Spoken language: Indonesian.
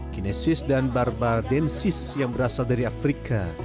kinesis dan barbarodensis yang berasal dari afrika